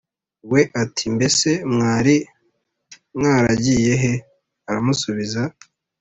We ati mbese mwari mwaragiye he aramusubiza